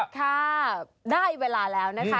ค่ะได้เวลาแล้วนะคะ